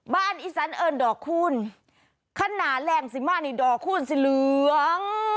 อีสันเอิญดอกคูณขนาดแรงสิมานี่ดอกคูณสีเหลือง